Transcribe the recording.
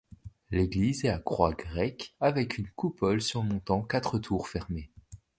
L'église est à croix grecque, avec une coupole surmontant quatre tours fermées.